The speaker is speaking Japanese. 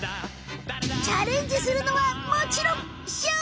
チャレンジするのはもちろんしょうま！